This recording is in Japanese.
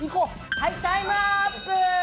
はいタイムアップ！